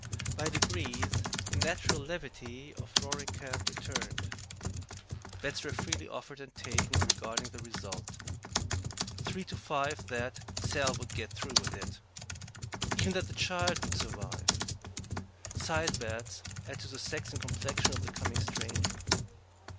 By degrees the natural levity of Roaring Camp returned. Bets were freely offered and taken regarding the result. Three to five that "Sal would get through with it;" even that the child would survive; side bets as to the sex and complexion of the coming stranger.